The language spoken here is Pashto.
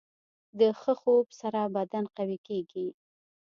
د ښه خوب سره بدن قوي کېږي.